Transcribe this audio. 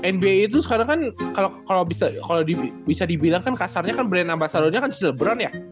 nba itu sekarang kan kalau bisa dibilang kan kasarnya kan brand ambasadornya kan silebron ya